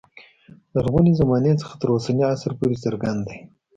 لرغونې زمانې څخه تر اوسني عصر پورې څرګند دی.